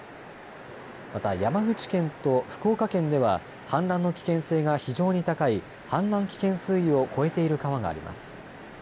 また山口県と福岡県では氾濫の危険性が非常に高い氾濫危険水位を超えている川があります。